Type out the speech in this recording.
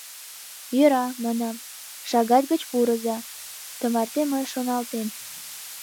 — Йӧра, — манам, — шагат гыч пурыза, тумарте мый шоналтем.